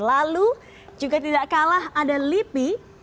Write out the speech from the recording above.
lalu juga tidak kalah ada lipi